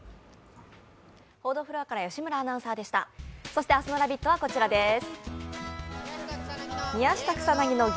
そして明日の「ラヴィット！」はこちらです。